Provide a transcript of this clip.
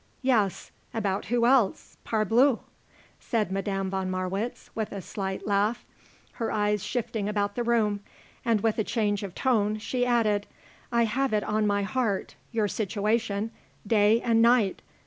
Yes. About who else, parbleu!" said Madame von Marwitz with a slight laugh, her eyes shifting about the room; and with a change of tone she added: "I have it on my heart your situation day and night.